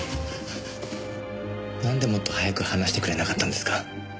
なんでもっと早く話してくれなかったんですか。